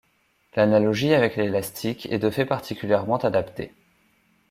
L'analogie avec l'élastique est de fait particulièrement adaptée.